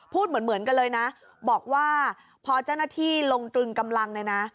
พูดเหมือนกันเลยนะบอกว่าพอเจ้าหน้าที่ลงตรึงกำลังเลยนะ